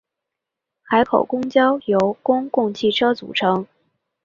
海口公交由公共汽车组成。